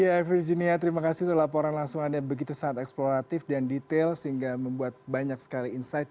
ya virginia terima kasih untuk laporan langsung anda begitu sangat eksploratif dan detail sehingga membuat banyak sekali insight